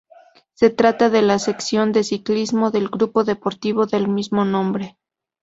Se trata de la sección de ciclismo del grupo deportivo del mismo nombre.